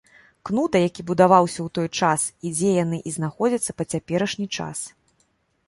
Кнуда, які будаваўся ў той час і дзе яны і знаходзяцца па цяперашні час.